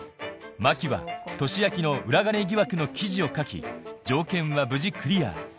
真希は利明の裏金疑惑の記事を書き条件は無事クリア